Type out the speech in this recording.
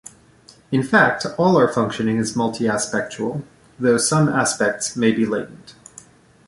In fact, all our functioning is multi-aspectual, though some aspects might be latent.